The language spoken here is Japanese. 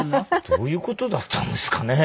どういう事だったんですかね？